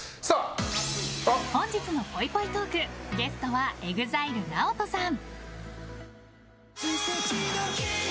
本日のぽいぽいトークゲストはＥＸＩＬＥＮＡＯＴＯさん。